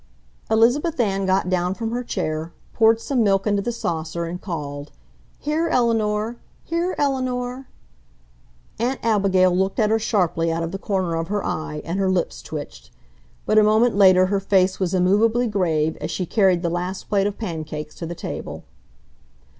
Elizabeth Ann got down from her chair, poured some milk into the saucer, and called: "Here, Eleanor! Here, Eleanor!" Aunt Abigail looked at her sharply out of the corner of her eye and her lips twitched, but a moment later her face was immovably grave as she carried the last plate of pancakes to the table.